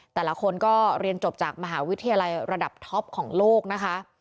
แต่ละคนก็เรียนจบจากมหาวิทยาลัยระดับท็อปของโลกนะคะ